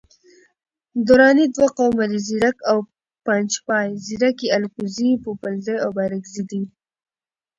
دراني دوه قومه دي، ځیرک او پنجپای. ځیرک یي الکوزي، پوپلزي او بارکزي دی